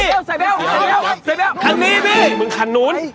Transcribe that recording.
นี่มึงขันนู้น